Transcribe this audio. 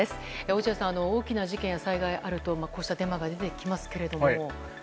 落合さん、大きな事件や災害があるとこうしたデマが出てきますけれども。